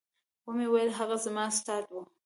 ومې ويل هغه زما استاد و.